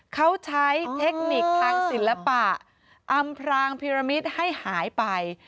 เขาใช้เทคนิคทางศิลปะอำพรางพิรมิตให้หายไป